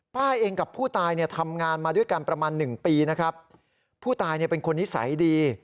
ป้าเองกับผู้ตายเนี่ยทำงานมาด้วยกันประมาณหนึ่งปีนะครับผู้ตายเนี่ยเป็นคนนิสัยดี